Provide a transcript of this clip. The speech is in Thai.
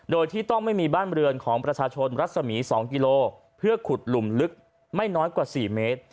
โดยที่ต้องไม่มีบ้านเรือนของประชาชนรัศมี๒กิโลเพื่อขุดหลุมลึกไม่น้อยกว่า๔เมตร